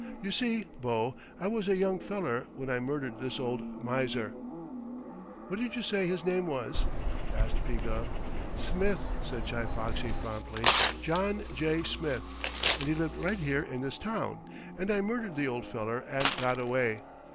You see, bo, I was a young feller when I murdered this old miser " "What did you say his name was?" asked P. Gubb. "Smith," said Chi Foxy promptly. "John J. Smith, and he lived right here in this town. And I murdered the old feller and got away.